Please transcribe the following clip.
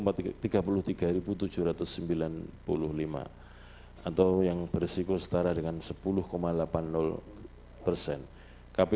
anggota kpu kabupaten kota yang berisiko empat sembilan puluh lima yang tidak berisiko tiga dua ratus sembilan puluh lima sehingga berisiko sekitar sepuluh delapan puluh persen